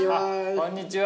こんにちは。